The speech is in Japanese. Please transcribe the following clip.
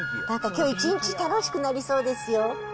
だからきょう一日、楽しくなりそうですよ。